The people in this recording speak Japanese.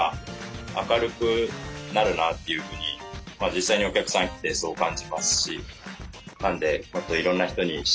実際にお客さん来てそう感じますし。